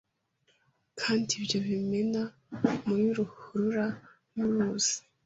Kandi ibyo bimena muri ruhurura nk'uruzi